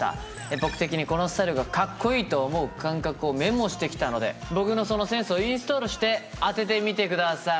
僕的にこのスタイルがかっこいいと思う感覚をメモしてきたので僕のそのセンスをインストールして当ててみてください。